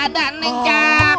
ada nih cakep